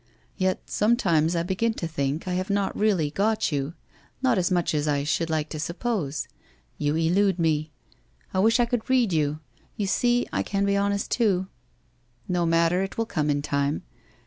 ' Yet sometimes I begin to think I have not really got you, not as much as I should like to suppose. You elude me. I wish I could read you? You see I can be honest too. ... No matter, it will come in time.